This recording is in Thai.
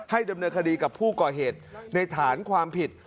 ดำเนินคดีกับผู้ก่อเหตุในฐานความผิด